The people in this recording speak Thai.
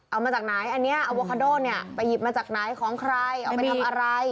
เอามาจากไหนอันนี้อโวคาโดเนี่ยไปหยิบมาจากไหนของใครเอาไปทำอะไร